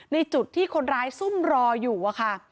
ในจุดที่คนร้ายซุ่มรออยู่อะค่ะ